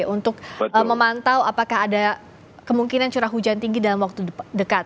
untuk memantau apakah ada kemungkinan curah hujan tinggi dalam waktu dekat